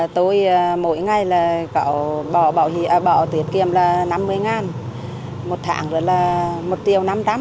tôi mỗi ngày bỏ tiết kiệm là năm mươi ngàn một tháng là một triệu năm trăm linh